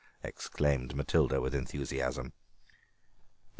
exclaimed Matilda with enthusiasm.